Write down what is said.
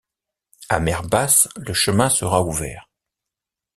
À mer basse, le chemin sera ouvert.